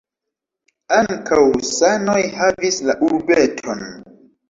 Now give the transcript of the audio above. Ankaŭ husanoj havis la urbeton.